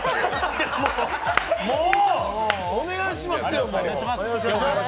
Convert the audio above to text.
もうお願いしますよ。